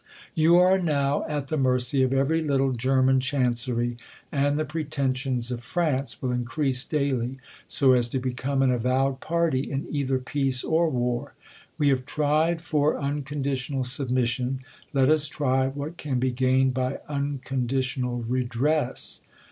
You are now at the mercy of every little German chancery ; and the pretensions of France will increase daily, so as to become an avowed party in either peace or war. We have tried for unconditional submission j let us try what can be gained by unconditional re dress.